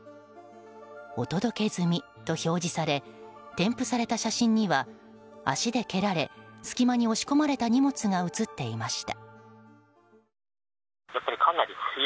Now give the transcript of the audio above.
お届け済みと表示され添付された写真には足で蹴られ隙間に押し込まれた荷物が写っていました。